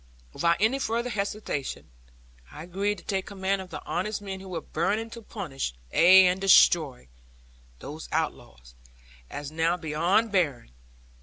Without any further hesitation; I agreed to take command of the honest men who were burning to punish, ay and destroy, those outlaws, as now beyond all bearing.